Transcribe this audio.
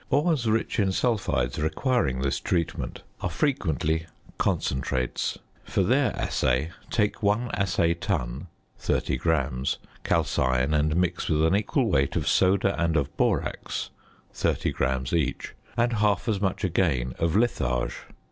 Ores rich in sulphides requiring this treatment are frequently "concentrates." For their assay take 1 assay ton (30 grams), calcine and mix with an equal weight of soda and of borax (30 grams each), and half as much again of litharge (1.